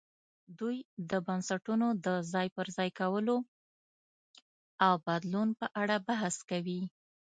دوی د بنسټونو د ځای پر ځای کولو او بدلون په اړه بحث کوي.